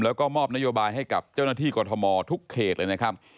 แล้วก็มอบนโยบายให้กับเจ้าหน้าที่กรทมทุกเขตเลยนะครับ